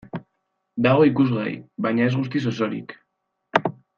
Dago ikusgai, baina ez guztiz osorik.